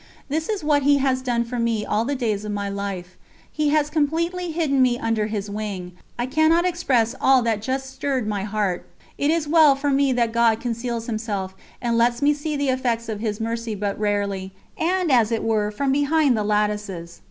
This is what He has done for me all the days of my life. He has completely hidden me under His Wing. I cannot express all that has just stirred my heart; it is well for me that God conceals Himself, and lets me see the effects of His Mercy but rarely, and as it were from 'behind the lattices.'